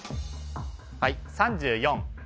はい３４